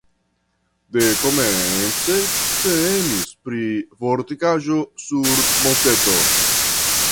Dekomence temis pri fortikaĵo sur monteto.